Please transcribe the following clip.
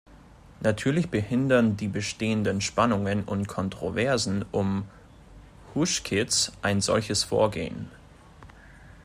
Natürlich behindern die bestehenden Spannungen und Kontroversen um "Hushkits" ein solches Vorgehen.